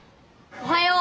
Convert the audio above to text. おはよう。